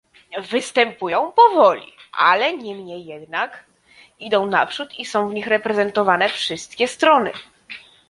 Postępują powoli, ale niemniej jednak idą naprzód i są w nich reprezentowane wszystkie strony